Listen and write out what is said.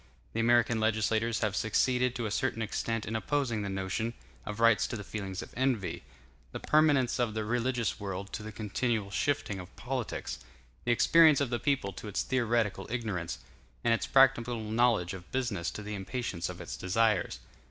The American legislators have succeeded to a certain extent in opposing the notion of rights to the feelings of envy; the permanence of the religious world to the continual shifting of politics; the experience of the people to its theoretical ignorance; and its practical knowledge of business to the impatience of its desires.